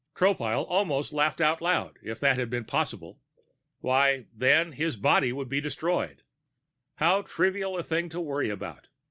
Tropile almost laughed out loud, if that had been possible. Why, then, his body would be destroyed! How trivial a thing to worry about!